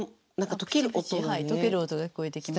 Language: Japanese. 解ける音が聞こえてきます。